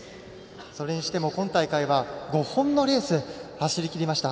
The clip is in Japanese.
それにしても今大会は５本のレースを走りきりました。